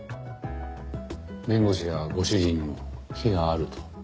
弁護士やご主人にも非があると？